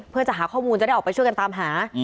เพื่อจะหาข้อมูลจะได้ออกไปช่วยกันตามหา